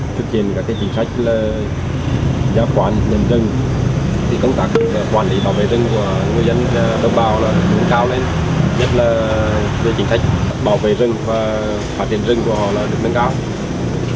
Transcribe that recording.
người dân đồng bào đứng cao lên nhất là về chính sách bảo vệ rừng và phát triển rừng của họ được nâng cao